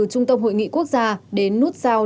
trung tâm hội nghị quốc gia đến nút giao